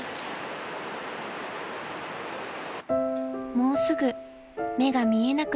［「もうすぐ目が見えなくなるから」］